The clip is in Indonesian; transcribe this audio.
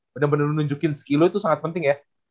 bener bener nunjukin skill lo itu sangat penting ya